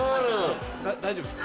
大丈夫っすか？